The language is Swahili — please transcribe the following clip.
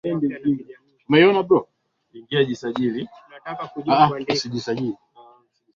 Baada ya kurejea nchini Cuba akitokea Mexico aliongoza mapinduzi ya kijeshi